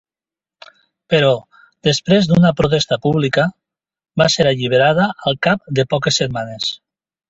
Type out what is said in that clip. Però, després d'una protesta pública, va ser alliberada al cap de poques setmanes.